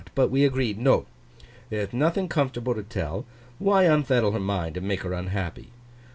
But we agreed, "No. There'th nothing comfortable to tell; why unthettle her mind, and make her unhappy?"